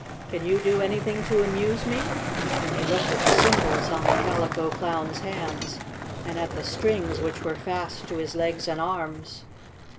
Can you do anything to amuse me?" and he looked at the cymbals on the Calico Clown's hands and at the strings which were fast to his legs and arms.